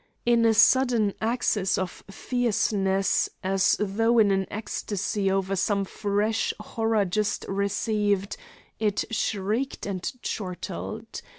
In a sudden access of fierceness, as though in an ecstasy over some fresh horror just received, it shrieked and chortled.